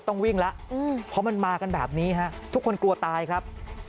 ต้องวิ่งแล้วเพราะมันมากันแบบนี้ฮะทุกคนกลัวตายครับ